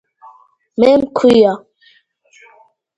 მე მქვია